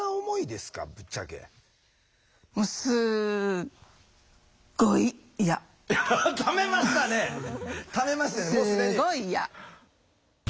すごい嫌。